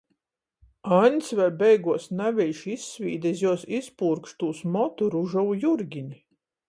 Aņds vēļ beiguos naviļši izsvīde iz juos izpūrkštūs motu ružovu jurgini.